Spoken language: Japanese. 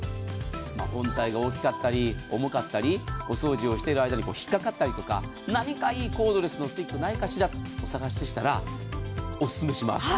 本体が大きかったり重かったりお掃除をしている間に引っかかっかったりとか何かいいコードレスないかしらとお探しでしたらお勧めします。